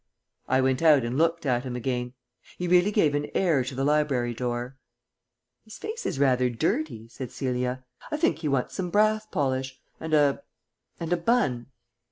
I went out and looked at him again. He really gave an air to the library door. "His face is rather dirty," said Celia. "I think he wants some brass polish and a and a bun."